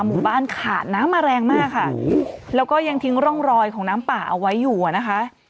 หมู่บ้านขาดน้ำมาแรงมากค่ะแล้วก็ยังทิ้งร่องรอยของน้ำป่าเอาไว้อยู่อ่ะนะคะ